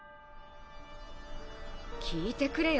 聞いてくれよ